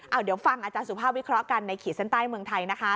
เอาเดี๋ยวฟังอาจารย์สุภาพวิเคราะห์กันในขีดเส้นใต้เมืองไทยนะคะ